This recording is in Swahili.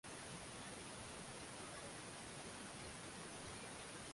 kiongozi huyo mwenye miaka sabini na miwili anatuhumiwa